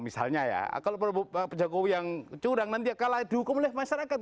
misalnya ya kalau pak jokowi yang curang nanti akan kalah dihukum oleh masyarakat